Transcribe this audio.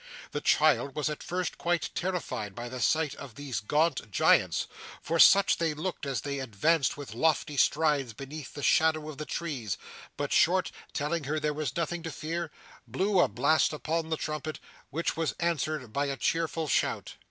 The child was at first quite terrified by the sight of these gaunt giants for such they looked as they advanced with lofty strides beneath the shadow of the trees but Short, telling her there was nothing to fear, blew a blast upon the trumpet, which was answered by a cheerful shout.